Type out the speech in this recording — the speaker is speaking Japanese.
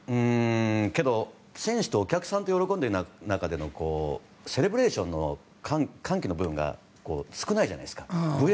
けど、選手とお客さんとで喜んでいる中でのセレブレーションの歓喜の部分が少ないじゃないですか。